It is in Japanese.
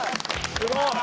すごい！